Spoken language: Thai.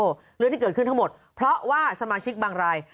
เรื่องที่เกิดขึ้นทั้งหมดเพราะว่าสมาชิกบางราย